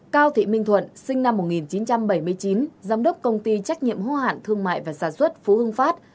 cao thị minh thuận sinh năm một nghìn chín trăm bảy mươi chín giám đốc công ty trách nhiệm hô hạn thương mại và sản xuất phú hưng phát